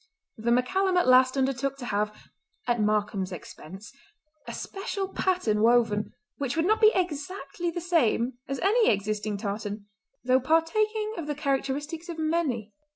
The MacCallum at last undertook to have, at Markam's expense, a special pattern woven which would not be exactly the same as any existing tartan, though partaking of the characteristics of many.